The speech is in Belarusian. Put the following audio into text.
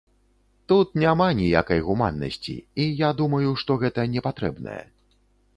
Тут няма ніякай гуманнасці, і я думаю, што гэта не патрэбнае.